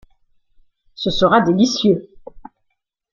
Ce sera délicieux.